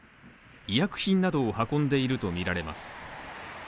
医薬品などを運んでいるとみられます。